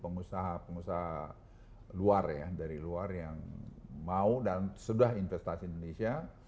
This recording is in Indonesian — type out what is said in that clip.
pengusaha pengusaha luar ya dari luar yang mau dan sudah investasi indonesia